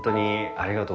ありがとう。